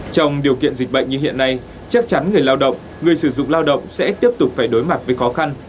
trong điều kiện dịch bệnh như hiện nay chắc chắn người lao động người sử dụng lao động sẽ tiếp tục phải đối mặt với khó khăn